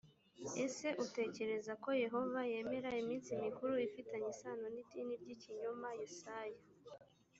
ese utekereza ko yehova yemera iminsi mikuru ifitanye isano n idini ry ikinyoma yesaya